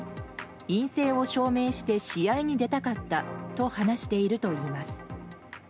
陰性を証明して試合に出たかったと話しているといいます。